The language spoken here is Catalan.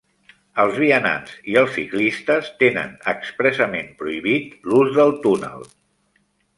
Els vianants i els ciclistes tenen expressament prohibit l'ús del túnel.